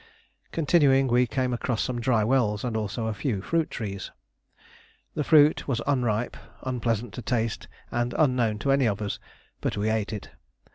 Continuing, we came across some dry wells and also a few fruit trees. The fruit was unripe, unpleasant to taste, and unknown to any of us; but we ate it.